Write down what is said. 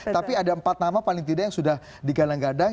tapi ada empat nama paling tidak yang sudah digadang gadang